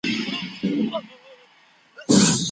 کمپيوټر ويبپاڼه پيدا کوي.